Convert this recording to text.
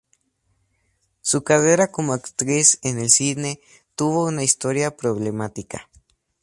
Su carrera como actriz en el cine tuvo una historia problemática.